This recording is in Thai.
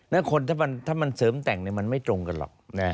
แล้วคนถ้ามันเสริมแต่งมันไม่ตรงกันหรอก